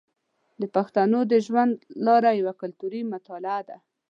د پښتنو د ژوند لاره یوه کلتوري مطالعه ده.